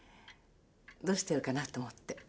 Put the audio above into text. どうしてるかなと思って。